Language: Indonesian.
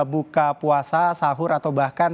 buka puasa sahur atau bahkan